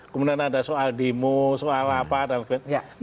kemudian ada soal demo soal apa dan lain lain